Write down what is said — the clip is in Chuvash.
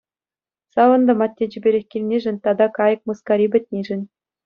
Савӑнтӑм атте чиперех килнишӗн тата кайӑк мыскари пӗтнишӗн.